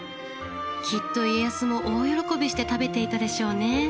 きっと家康も大喜びして食べていたでしょうね。